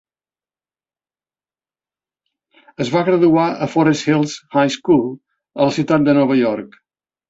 Es va graduar a Forest Hills High School, a la ciutat de Nova York.